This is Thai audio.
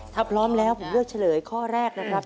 ถ้าพร้อมแล้วผมเลือกเฉลยข้อแรกนะครับ